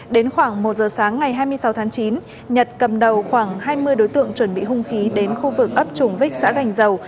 đến khoảng một giờ sáng ngày hai mươi sáu tháng chín nhật cầm đầu khoảng hai mươi đối tượng chuẩn bị hung khí đến khu vực ấp trùng vích xã gành dầu